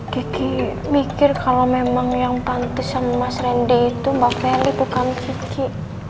gigi mikir kalo memang yang pantis sama mas randy itu mbak felicia bukan gigi